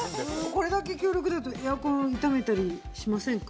これだけ強力だとエアコン傷めたりしませんか？